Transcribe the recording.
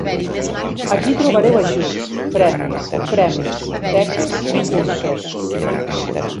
Aquí trobareu ajuts, premis, premis, beques i cursos.